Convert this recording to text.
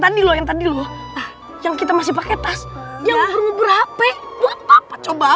tadi lo yang tadi loh yang kita masih pakai tas yang berapa coba coba